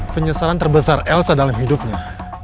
penyesalan terbesar elsa dalam hidupnya